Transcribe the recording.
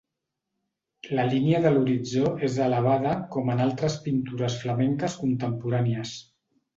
La línia de l'horitzó és elevada com en altres pintures flamenques contemporànies.